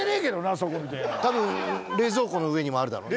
そこみたいな多分冷蔵庫の上にもあるだろうね